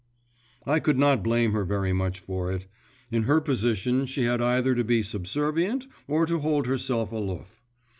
… I could not blame her very much for it; in her position she had either to be subservient, or to hold herself aloof.